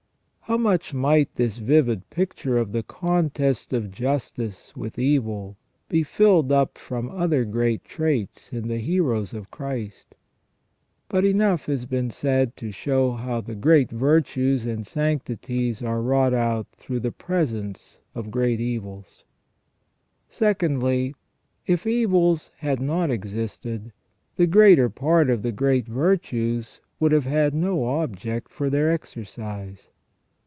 How much might this vivid picture of the contest of justice with evil be filled up from other great traits in ON PENAL EVIL OR PUNISHMENT. 239 the heroes of Christ ? But enough has been said to show how the great virtues and sanctities are wrought out through the presence of great evils. Secondly, if evils had not existed, the greater part of the great virtues would have had no object for their exercise.